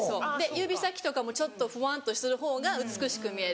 指先とかもちょっとふわんとする方が美しく見える。